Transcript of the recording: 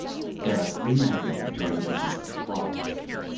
There are three methods of joining the pieces of cloth.